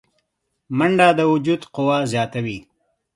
منډه د وجود قوه زیاتوي